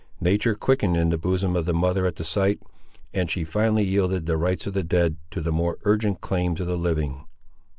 Nature quickened in the bosom of the mother at the sight; and she finally yielded the rights of the dead, to the more urgent claims of the living.